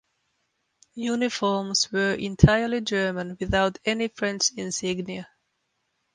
Uniforms were entirely German without any French insignia.